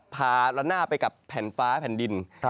พาละหน้าไปกับแผ่นฟ้าแผ่นดิน